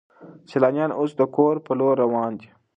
سیلانیان اوس د کور په لور روان دي.